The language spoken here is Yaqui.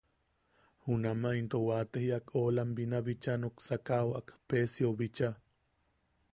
Junamaʼa into waate jiak oʼolam binabicha nuksakaʼawak Pesiou bicha.